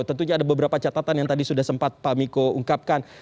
tentunya ada beberapa catatan yang tadi sudah sempat pak miko ungkapkan